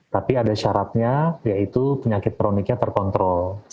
tapi ada syaratnya yaitu penyakit kroniknya terkontrol